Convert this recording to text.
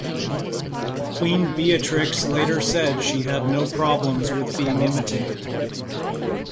Queen Beatrix later said she had no problems with being imitated.